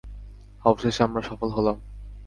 অবশেষে আমরা সফল হলাম।